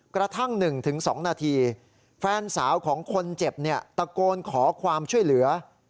กระทั่ง๑๒นาทีแฟนสาวของคนเจ็บตะโกนขอความช่วยเหลือ